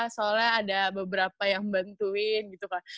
soalnya ada beberapa yang bantuin gitu kan